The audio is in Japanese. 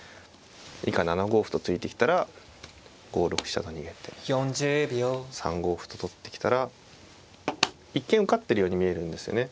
以下７五歩と突いてきたら５六飛車と逃げて３五歩と取ってきたら一見受かってるように見えるんですよね